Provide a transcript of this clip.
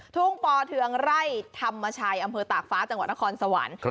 ปอเทืองไร่ธรรมชัยอำเภอตากฟ้าจังหวัดนครสวรรค์